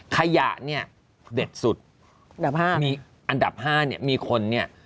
ขยะเนี่ยเด็ดสุดอันดับ๕เนี่ยมีคนเนี่ย